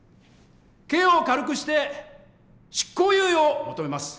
刑を軽くして執行猶予を求めます。